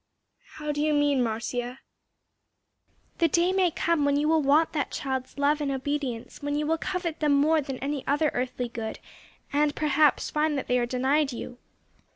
"How do you mean, Marcia?" "The day may come when you will want that child's love and obedience: when you will covet them more than any other earthly good, and perhaps, find that they are denied you."